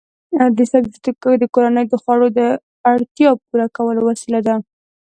د سبزیجاتو کښت د کورنیو د خوړو د اړتیا پوره کولو وسیله ده.